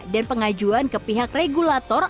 dan pengajuan ke pihak regulator